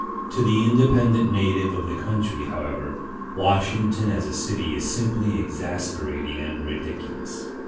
To the independent native of the country, however, Washington as a city is simply exasperating and ridiculous.